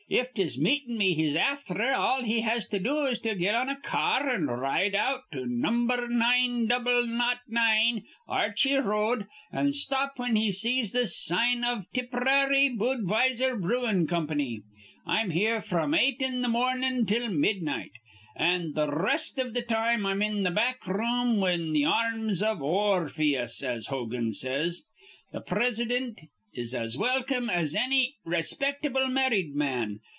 "If 'tis meetin' me he's afther, all he has to do is to get on a ca ar an' r ride out to number nine double naught nine Archey R road, an' stop whin he sees th' sign iv th' Tip p'rary Boodweiser Brewin' Company. I'm here fr'm eight in the mornin' till midnight, an' th' r rest iv th' time I'm in the back room in th' ar rms iv Or rphyus, as Hogan says. Th' Presidint is as welcome as anny rayspictable marrid man.